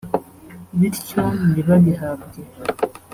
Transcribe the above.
bityo ntibabihabwe